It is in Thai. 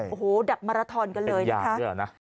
โอ้โหดับมาราทอนกันเลยนะ